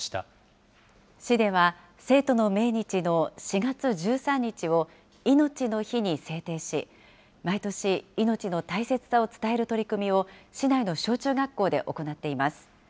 市では生徒の命日の４月１３日をいのちの日に制定し、毎年、命の大切さを伝える取り組みを市内の小中学校で行っています。